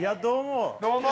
どうも。